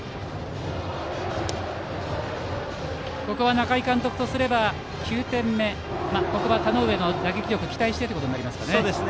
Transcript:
中井監督とすれば９点目ここは田上の打撃力に期待してとなりますね。